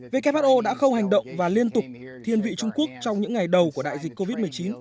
who đã không hành động và liên tục thiên vị trung quốc trong những ngày đầu của đại dịch covid một mươi chín